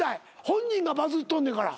本人がバズっとんねんから。